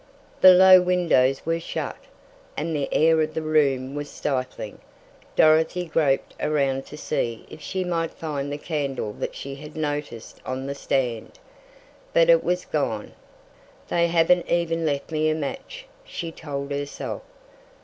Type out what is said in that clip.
The low windows were shut, and the air of the room was stifling. Dorothy groped around to see if she might find the candle that she had noticed on the stand, but it was gone. "They haven't even left me a match," she told herself.